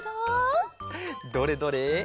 どれどれ？